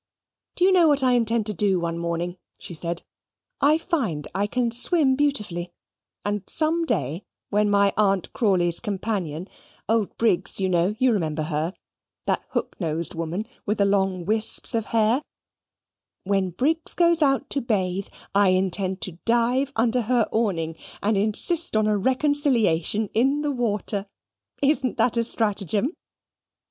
"Do you know what I intend to do one morning?" she said; "I find I can swim beautifully, and some day, when my Aunt Crawley's companion old Briggs, you know you remember her that hook nosed woman, with the long wisps of hair when Briggs goes out to bathe, I intend to dive under her awning, and insist on a reconciliation in the water. Isn't that a stratagem?"